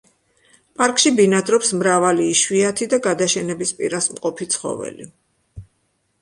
პარკში ბინადრობს მრავალი იშვიათი და გადაშენების პირას მყოფი ცხოველი.